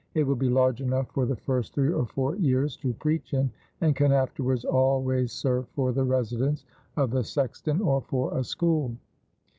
It will be large enough for the first three or four years to preach in and can afterwards always serve for the residence of the sexton or for a school."